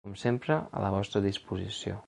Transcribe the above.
Com sempre, a la vostra disposició.